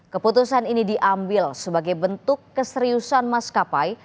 keputusan ini diambil sebagai bentuk keseriusan maskapai